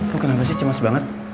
kok kenapa sih cemas banget